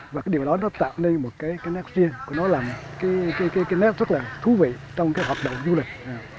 và cái điều đó nó tạo nên một cái nét riêng của nó là một cái nét rất là thú vị trong cái hoạt động du lịch